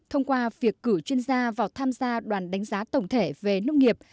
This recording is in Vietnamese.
thông qua việc cử chuyên gia vào tham gia đoàn đánh giá tổng thể về nông nghiệp